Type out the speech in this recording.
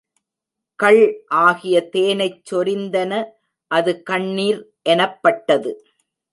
கள் ஆகிய தேனைச் சொரிந்தன அது கண்ணிர் எனப்பட்டது.